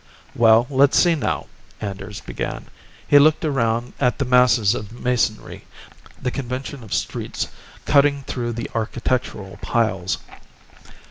"Well, let's see now," Anders began. He looked around at the masses of masonry, the convention of streets cutting through the architectural piles.